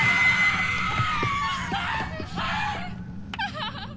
ハハハハ！